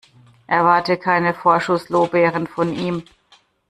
Erwarte keine Vorschusslorbeeren von ihm.